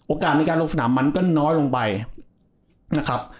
ในการลงสนามมันก็น้อยลงไปนะครับ